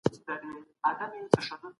ولي ګډوډي د رواني ناروغيو لامل کيږي؟